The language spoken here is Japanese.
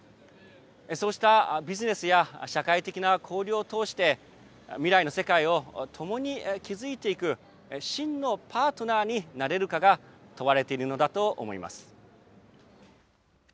そうしたビジネスや社会的な交流を通して、未来の世界を共に築いていく真のパートナーになれるかが問われているのだと思います。